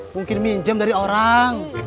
mungkin minjem dari orang